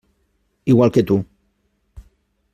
Igual que tu.